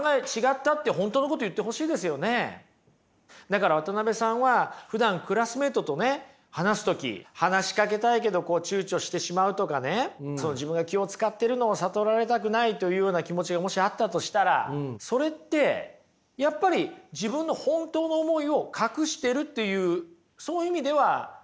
だから渡辺さんはふだんクラスメイトとね話す時話しかけたいけどちゅうちょしてしまうとかね自分が気を遣ってるのを悟られたくないというような気持ちがもしあったとしたらそれってやっぱり自分の本当の思いを隠してるっていうその意味では正直とは言えませんよね。